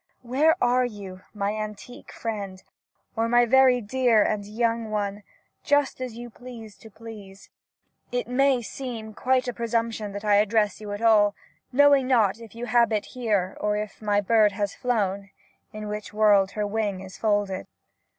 Where are you, my antique friend, or my very dear and young one — just as you please to please — it may seem quite a presumption that I address you at all, knowing ^not if you habit here, or if my *bird has flown' in which world her wing is folded.